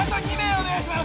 お願いします